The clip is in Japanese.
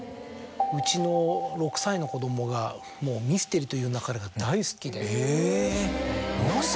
うちの６歳の子供が『ミステリと言う勿れ』が大好きで。